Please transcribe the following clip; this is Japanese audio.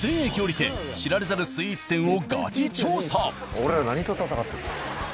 俺ら何と戦ってんだ。